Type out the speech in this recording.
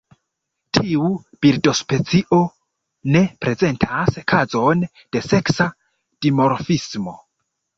Tiu birdospecio ne prezentas kazon de seksa dimorfismo.